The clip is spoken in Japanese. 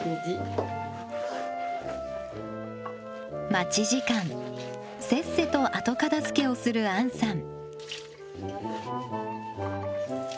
待ち時間せっせと後片づけをする杏さん。